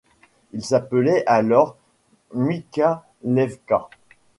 Il s'appelait alors Mikhalevka.